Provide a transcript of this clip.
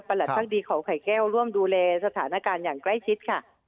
หลักพักดีเขาไข่แก้วร่วมดูแลสถานการณ์อย่างใกล้ชิดค่ะ